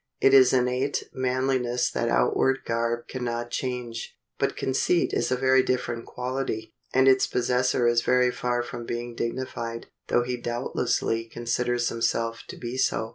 It is innate manliness that outward garb can not change. But conceit is a very different quality, and its possessor is very far from being dignified, though he doubtlessly considers himself to be so.